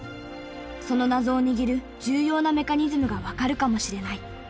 その謎を握る重要なメカニズムが分かるかもしれない。